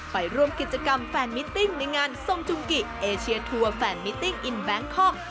ไปร่วมกิจกรรมแฟนมิตติ้งในงานทรงจุงกิเอเชียทัวร์แฟนมิติ้งอินแบงคอก